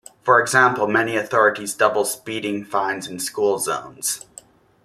For example, many authorities double speeding fines in school zones.